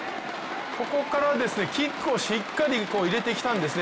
ここからキックをしっかり入れてきたんですね。